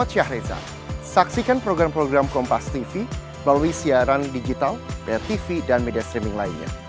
selalu siaran digital tv dan media streaming lainnya